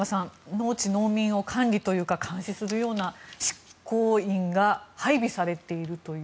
農地、農民を管理というか監視するような執法員が配備されていると。